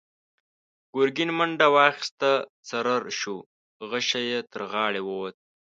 ګرګين منډه واخيسته، څررر شو، غشۍ يې تر غاړې ووت.